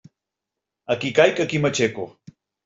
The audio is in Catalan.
Aquí caic, aquí m'aixeco.